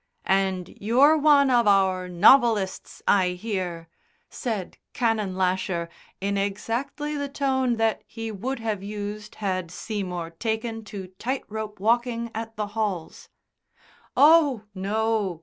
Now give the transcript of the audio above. "And you're one of our novelists, I hear," said Canon Lasher in exactly the tone that he would have used had Seymour taken to tight rope walking at the Halls. "Oh, no!"